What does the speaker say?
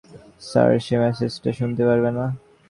Sir, সে মেসেজটা শুনতে পারবে না।